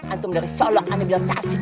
antum dari solo anabil tasik